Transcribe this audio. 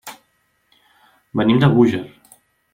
Venim de Búger.